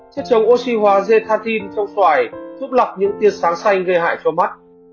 chất chống oxy hóa z thatin trong xoài giúp lọc những tiên sáng xanh gây hại cho mắt